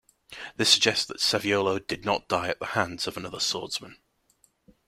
This suggests that Saviolo did not die at the hands of another swordsman.